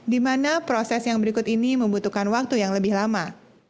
di mana proses yang berikut ini membutuhkan waktu yang lebih lama